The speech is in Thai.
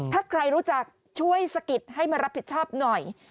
ถ้าใครรู้จักช่วยสะกิดให้มารับผิดชอบหน่อย